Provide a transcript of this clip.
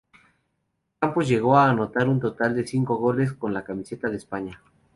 Campos llegó a anotar un total de cinco goles con la camiseta de España.